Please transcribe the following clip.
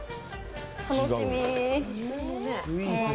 楽しみ。